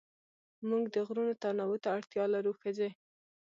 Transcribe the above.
موږ د غږونو تنوع ته اړتيا لرو ښځې